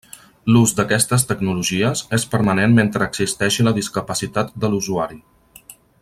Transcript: L'ús d'aquestes tecnologies és permanent mentre existeixi la discapacitat de l'usuari.